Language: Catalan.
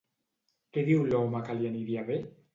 Què diu l'home que li aniria bé?